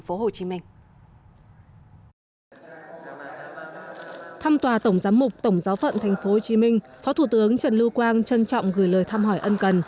thăm tòa tổng giám mục tổng giáo phận tp hcm phó thủ tướng trần lưu quang trân trọng gửi lời thăm hỏi ân cần